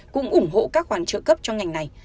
cũng ủng hộ các khoản trợ cấp cho ngành này